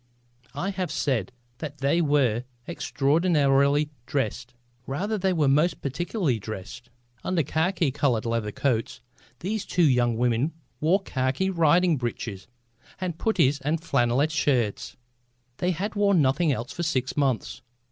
I have said that they were extraordinarily dressed. Rather they were most practically dressed. Under khaki coloured leather coats these two young women wore khaki riding breeches with puttees and flannel shirts. They had worn nothing else for six months.